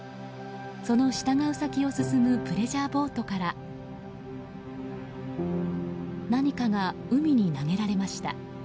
その従う先を進むプレジャーボートから何かが海に投げられました。